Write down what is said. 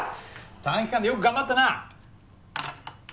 短期間でよく頑張ったな。